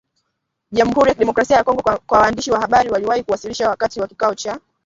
jamhuri ya kidemokrasia ya Kongo kwa waandishi wa habari waliwahi kuwasilishwa wakati wa kikao cha